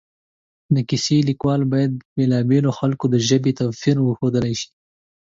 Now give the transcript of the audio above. د کیسې لیکوال باید د بېلا بېلو خلکو د ژبې توپیر وښودلی شي